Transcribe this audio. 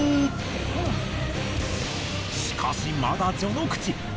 しかしまだ序の口。